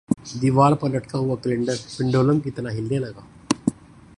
دیوار پر لٹکا ہوا کیلنڈر پنڈولم کی طرح ہلنے لگا